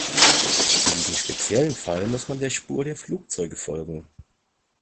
In diesem speziellen Fall muss man der Spur der Flugzeuge folgen.